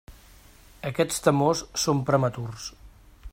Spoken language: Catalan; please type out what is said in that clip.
Aquests temors són prematurs.